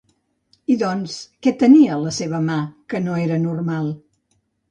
I doncs, què tenia la seva mà que no era normal?